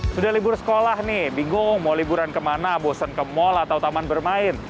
sudah libur sekolah nih bingung mau liburan kemana bosan ke mal atau taman bermain